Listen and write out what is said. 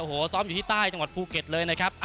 โอ้โหซ้อมอยู่ที่ใต้จังหวัดภูเก็ตเลยนะครับ